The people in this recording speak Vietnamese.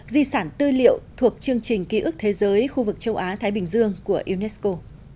di sản tư liệu thuộc chương trình ký ức thế giới khu vực châu á thái bình dương của unesco